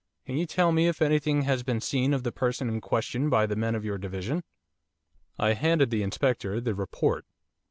Can you tell me if anything has been seen of the person in question by the men of your division?' I handed the Inspector the 'report.